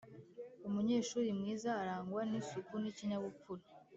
umunyeshuri mwiza arangwa n’isuku n’ikinyabupfura